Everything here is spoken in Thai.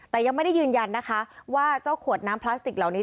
แต่ยังไม่ได้ยืนยันนะคะว่าเจ้าขวดน้ำพลาสติกเหล่านี้